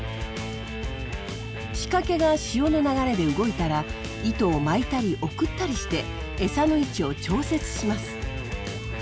仕掛けが潮の流れで動いたら糸を巻いたり送ったりしてエサの位置を調節します。